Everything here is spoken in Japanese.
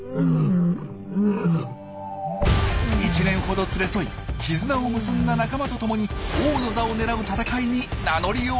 １年ほど連れ添い絆を結んだ仲間と共に王の座を狙う戦いに名乗りを上げます！